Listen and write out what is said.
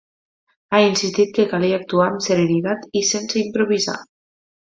Ha insistit que calia actuar amb serenitat i sense improvisar.